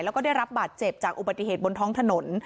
แล้วก็ได้รับบาดเจ็บจากอุบัติเหตุบนท้องถนน